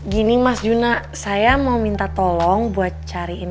gini mas juna saya mau minta tolong buat cariin